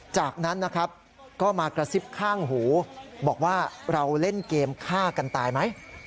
จากนั้นนะครับก็มากระซิบข้างหูบอกว่าเราเล่นเกมฆ่ากันตายไหม